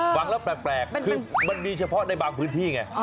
ฟังแล้วแปลกคือมันมีเฉพาะในบางพื้นที่ไง